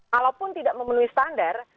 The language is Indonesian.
walaupun tidak memenuhi standar